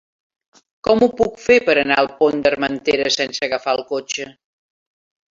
Com ho puc fer per anar al Pont d'Armentera sense agafar el cotxe?